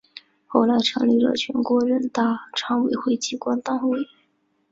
后来成立了全国人大常委会机关党委。